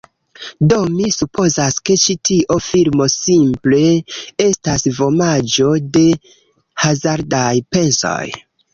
Do mi supozas, ke ĉi tio filmo simple estas vomaĵo de hazardaj pensoj.